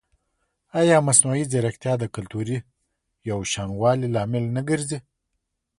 ایا مصنوعي ځیرکتیا د کلتوري یوشان والي لامل نه ګرځي؟